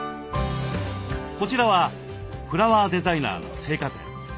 こちらはフラワーデザイナーの生花店。